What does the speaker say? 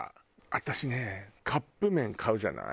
私ねカップ麺買うじゃない？